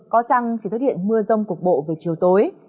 có trăng chỉ xuất hiện mưa rông cục bộ về chiều tối